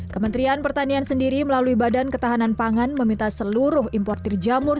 kementerian pertanian sendiri melalui badan ketahanan pangan meminta seluruh importer jamur